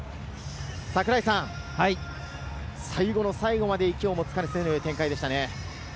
櫻井さん、最後の最後まで、きょうも息をつかせぬ展開でしたね。